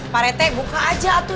pak rete buka aja tuh